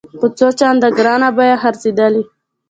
په څو چنده ګرانه بیه خرڅېدلې.